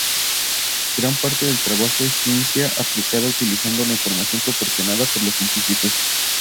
Gran parte del trabajo es ciencia aplicada, utilizando la información proporcionada por los científicos.